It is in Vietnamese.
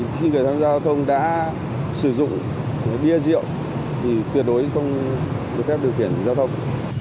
khi người tham gia giao thông đã sử dụng bia rượu thì tuyệt đối không được phép điều khiển giao thông